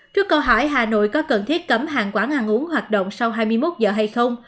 trước câu hỏi hà nội có cần thiết cấm hàng quán ăn uống hoạt động sau hai mươi một giờ hay không